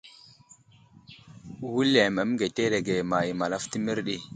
Wulem aməŋgeterege ma I malafto a mərɗi.